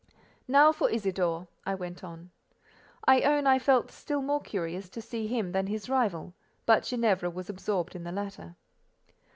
"Now for Isidore," I went on. I own I felt still more curious to see him than his rival; but Ginevra was absorbed in the latter.